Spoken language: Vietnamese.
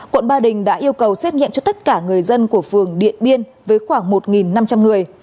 quận ba đình đã yêu cầu xét nghiệm cho tất cả người dân của phường điện biên với khoảng một năm trăm linh người